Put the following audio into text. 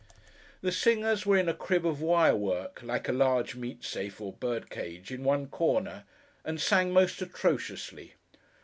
The singers were in a crib of wirework (like a large meat safe or bird cage) in one corner; and sang most atrociously.